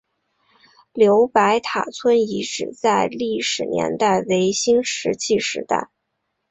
刘白塔村遗址的历史年代为新石器时代。